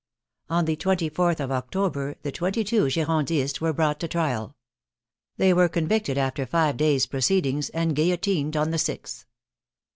On the 24th of October the twenty two Girondists were brought to trial. They were convicted after five days' proceedings, and guillotined on the sixth.